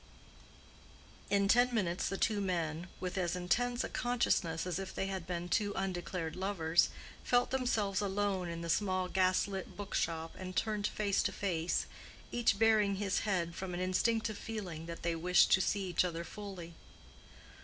In ten minutes the two men, with as intense a consciousness as if they had been two undeclared lovers, felt themselves alone in the small gas lit book shop and turned face to face, each baring his head from an instinctive feeling that they wished to see each other fully.